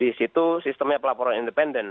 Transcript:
di situ sistemnya pelaporan independen